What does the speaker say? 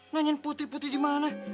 nanyain putri putri dimana